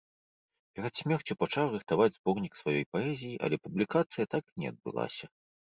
Перад смерцю пачаў рыхтаваць зборнік сваёй паэзіі, але публікацыя так і не адбылася.